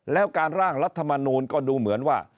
แล้วการร่างรัฐมนูลก็ดูเหมือนว่า